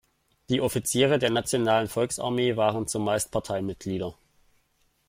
Die Offiziere der Nationalen Volksarmee waren zumeist Parteimitglieder.